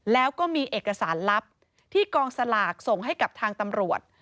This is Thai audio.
แล้วก็มีเอกสารลับที่กองสลากส่งให้กับทางตำรวจ